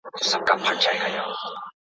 جاسوس د دې ډول یوه ښه بیلګه ده.